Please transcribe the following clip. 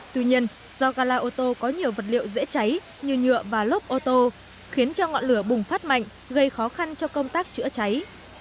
tuy nhiên do gala ô tô có nhiều vật liệu dễ cháy như nhựa và lốp ô tô khiến cho ngọn lửa bùng phát mạnh gây khó khăn cho công tác chữa cháy